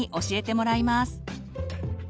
教えてもらいます。